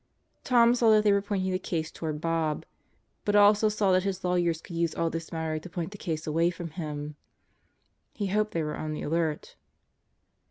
Tom saw that they were pointing the case toward Bob, but also saw that his lawyers could use all this matter to point the case away from him. He hoped they were on the alert.